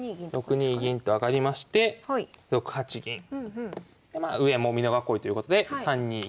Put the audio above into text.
６二銀と上がりまして６八銀。でまあ上も美濃囲いということで３二銀。